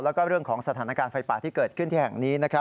แล้วก็เรื่องของสถานการณ์ไฟป่าที่เกิดขึ้นที่แห่งนี้